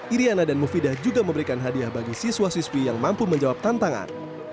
iryana dan mufidah juga memberikan hadiah bagi siswa siswi yang mampu menjawab tantangan